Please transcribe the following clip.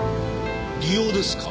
利用ですか？